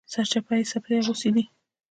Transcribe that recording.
سرچپه یې څپلۍ اغوستلي دي